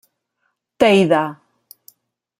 Teide.